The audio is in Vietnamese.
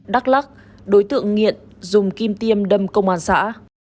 đắk lắc đối tượng nghiện dùng kim tiêm đâm công an xã